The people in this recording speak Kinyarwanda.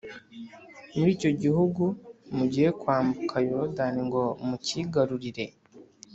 muri icyo gihugu mugiye kwambuka Yorodani ngo mucyigarurire